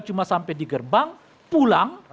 cuma sampai di gerbang pulang